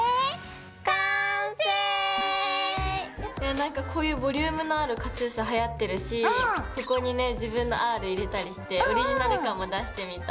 なんかこういうボリュームのあるカチューシャはやってるしここにね自分の「Ｒ」入れたりしてオリジナル感も出してみた。